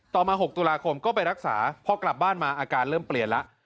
มา๖ตุลาคมก็ไปรักษาพอกลับบ้านมาอาการเริ่มเปลี่ยนแล้ว